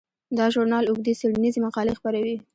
دا ژورنال اوږدې څیړنیزې مقالې خپروي.